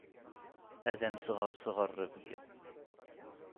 Ad am-sɣerseɣ rrebg.